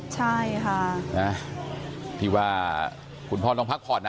ใช่ค่ะนะที่ว่าคุณพ่อต้องพักผ่อนนะ